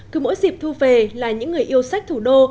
cứ mỗi dịp thu về là những người yêu sách thủ đô